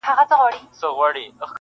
که مو بېل کړمه بیا نه یمه دوستانو-